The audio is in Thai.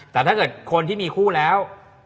แต่ถ้าเกิดคนที่มีคู่แล้ว